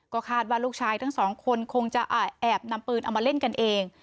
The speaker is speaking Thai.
ก็คาดว่าลูกชายทั้งสองคนคงจะแอบนำปืนเอามาเล่นกันเอง